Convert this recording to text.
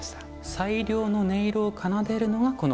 最良の音色を奏でるのはこの８種類。